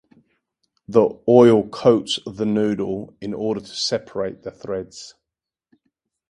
The oil coats the noodle in order to separate the threads.